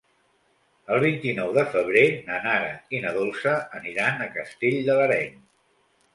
El vint-i-nou de febrer na Nara i na Dolça aniran a Castell de l'Areny.